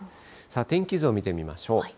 天気図を見てみましょう。